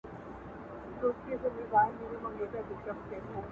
بې توپيره ستاسې ټولو احترام کړم